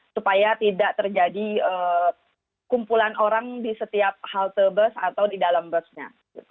supaya tidak terjadi kumpulan orang di setiap halte bus atau di dalam busnya